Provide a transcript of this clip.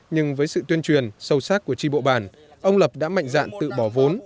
nhưng với sự tuyên truyền sâu sắc của tri bộ bản ông lập đã mạnh dạn tự bỏ vốn